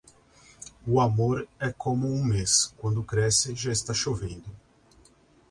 O amor é como um mês; quando cresce, já está chovendo.